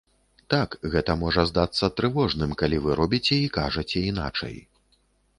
Так, гэта можа здацца трывожным, калі вы робіце і кажаце іначай.